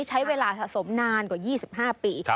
ใช้เวลาสะสมนานกว่า๒๕ปี